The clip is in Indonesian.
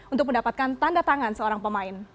untuk mendapatkan tanda tangan seorang pemain